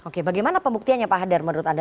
oke bagaimana pembuktiannya pak hadar menurut anda